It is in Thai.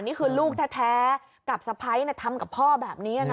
นี่คือลูกแท้กับสะพ้ายทำกับพ่อแบบนี้